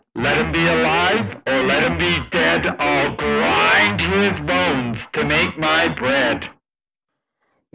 Let him be alive or let him be dead, I'll grind his bones to make my bread."